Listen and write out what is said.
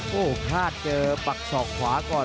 พ่อพลาดเจอปากส่อขวาก่อน